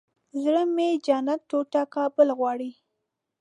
زړه مې جنت ټوټه کابل غواړي